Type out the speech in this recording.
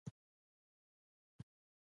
• د چا د انتظار لپاره کښېنه.